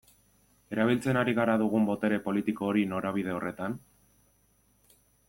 Erabiltzen ari gara dugun botere politiko hori norabide horretan?